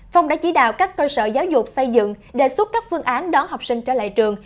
phong đã chỉ đạo các cơ sở giáo dục xây dựng đề xuất các phương án đón học sinh trở lại trường